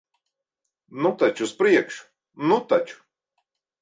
Nu taču, uz priekšu. Nu taču!